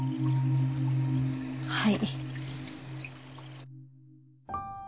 はい。